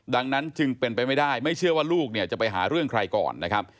ดังนั้นจึงเป็นไปไม่ได้ไม่เชื่อว่าลูกเนี่ยจะไปหาเรื่องใครก่อนนะครับ